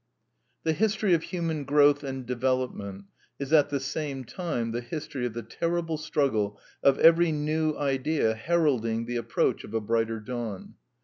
The history of human growth and development is at the same time the history of the terrible struggle of every new idea heralding the approach of a brighter dawn.